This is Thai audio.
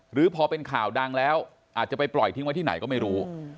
หรือพอเป็นข่าวดังแล้วอาจจะไปปล่อยทิ้งไว้ที่ไหนก็ไม่รู้